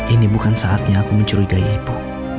ini bukan saatnya aku mencurigai ibu